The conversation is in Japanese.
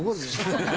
ハハハハ！